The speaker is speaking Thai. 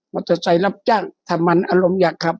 เตอร์ไซค์รับจ้างทำมันอารมณ์อยากขับ